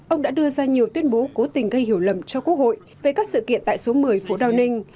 ông đã đưa ra nhiều tuyên bố cố tình gây hiểu lầm cho quốc hội về các sự kiện tại số một mươi phố downing